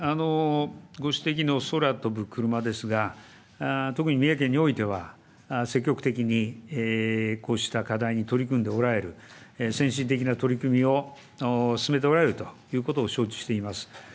ご指摘の空飛ぶクルマですが、特に三重県においては、積極的にこうした課題に取り組んでおられる、先進的な取り組みを進めておられるということを承知しております。